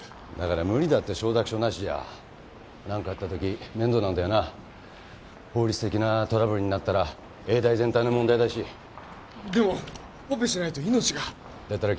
無理だよ承諾書ナシじゃ何かあったとき面倒なんだ法律的なトラブルになったら永大全体の問題だしでもオペしないと命が・なら君